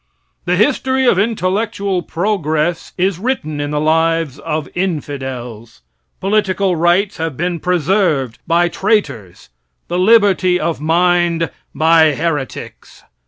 The history of intellectual progress is written in the lives of infidels. Political rights have been preserved by traitors; the liberty of mind by heretics.